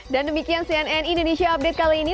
dan demikian cnn indonesia update kali ini